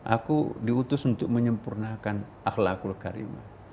aku diutus untuk menyempurnakan akhlak kulah